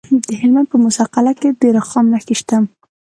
د هلمند په موسی قلعه کې د رخام نښې شته.